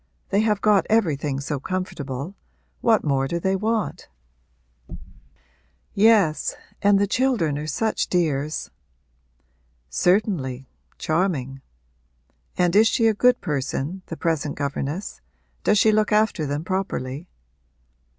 They have got everything so comfortable what more do they want?' 'Yes, and the children are such dears!' 'Certainly charming. And is she a good person, the present governess? Does she look after them properly?'